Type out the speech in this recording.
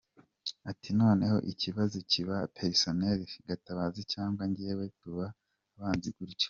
Ati noneho ikibazo kiba personnelle : Gatabazi cyangwa jyewe, tuba abanzi gutyo.